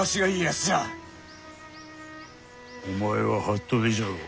お前は服部じゃろう。